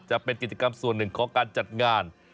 จะเป็นกิจกรรมส่วนหนึ่งของการจัดงาน